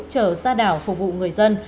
chờ ra đảo phục vụ người dân